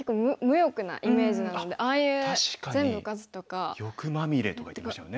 「欲まみれ」とか言ってましたよね。